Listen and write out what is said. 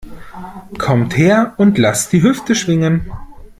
Kommt her und lasst die Hüfte schwingen!